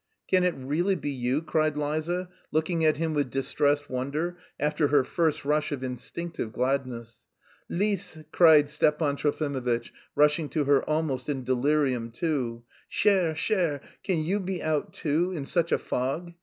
"Can it really be you?" cried Liza, looking at him with distressed wonder, after her first rush of instinctive gladness. "Lise," cried Stepan Trofimovitch, rushing to her almost in delirium too. "Chère, chère.... Can you be out, too... in such a fog?